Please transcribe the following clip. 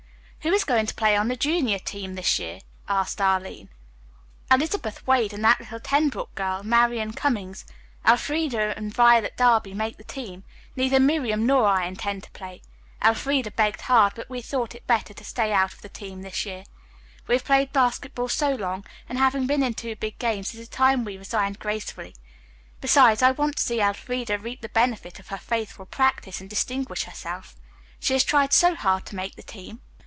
"Who is going to play on the junior team this year?" asked Arline. "Elizabeth Wade, and that little Tenbrook girl, Marian Cummings, Elfreda and Violet Darby make the team. Neither Miriam nor I intend to play. Elfreda begged hard, but we thought it better to stay out of the team this year. We have played basketball so long, and having been in two big games, it is time we resigned gracefully; besides, I want to see Elfreda reap the benefit of her faithful practice and distinguish herself. She has tried so hard to make the team."